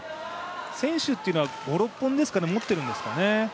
選手というのは５６本持ってるんですかね。